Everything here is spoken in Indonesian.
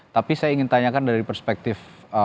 tapi saya ingin tanyakan dari perspektif